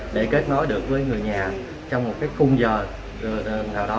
để kết nối được với người nhà trong một cái khung giờ nào đó